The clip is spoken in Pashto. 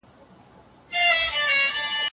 تیر کال دوراني پانګي ښه پایله درلوده.